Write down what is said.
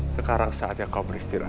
sekarang saatnya kau beristirahat